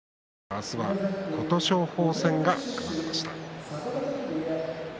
明日は琴勝峰戦が組まれました。